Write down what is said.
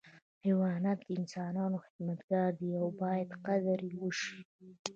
حیوانات د انسانانو خدمتګاران دي او باید قدر یې وشي.